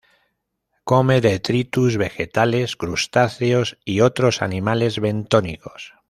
Come detritus vegetales, crustáceos y otros animales bentónicos.